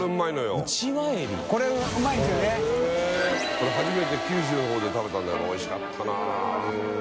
これ初めて九州の方で食べたんだけどおいしかったな。